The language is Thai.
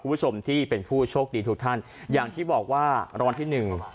คุณผู้ชมที่เป็นผู้โชคดีทุกท่านอย่างที่บอกว่ารางวัลที่หนึ่ง